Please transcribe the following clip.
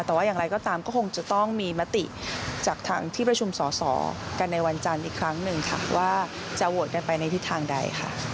แต่ว่าอย่างไรก็ตามก็คงจะต้องมีมติจากทางที่ประชุมสอสอกันในวันจันทร์อีกครั้งหนึ่งค่ะว่าจะโหวตกันไปในทิศทางใดค่ะ